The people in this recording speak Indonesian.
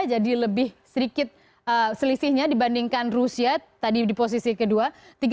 jadi lebih sedikit selisihnya dibandingkan rusia tadi di posisi kedua